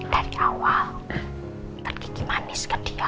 dari awal kan gigi manis ke dia